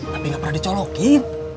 tapi gak pernah dicolokin